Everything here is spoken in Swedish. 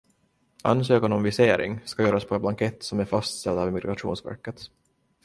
Ansökan om visering ska göras på en blankett som är fastställd av Migrationsverket.